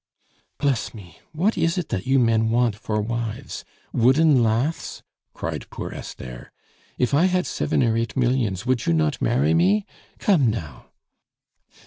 "Bless me! what is it that you men want for wives? Wooden laths?" cried poor Esther. "If I had seven or eight millions, would you not marry me come now?"